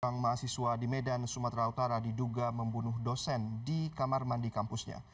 seorang mahasiswa di medan sumatera utara diduga membunuh dosen di kamar mandi kampusnya